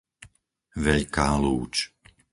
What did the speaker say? Veľká Lúč